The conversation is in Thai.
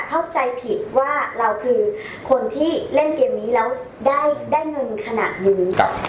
เข้าใจผิดว่าเราคือคนที่เล่นเกมนี้แล้วได้เงินขนาดนี้